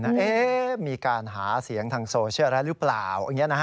ว่ามีการหาเสียงทางโซเชียลแล้วหรือเปล่าอย่างนี้นะฮะ